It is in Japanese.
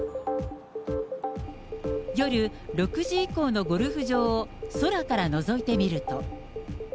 夜６時以降のゴルフ場を空からのぞいてみると。